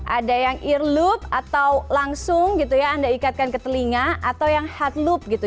ada yang ear loop atau langsung gitu ya anda ikatkan ke telinga atau yang head loop gitu